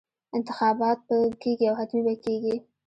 انتخابات به کېږي او حتمي به کېږي.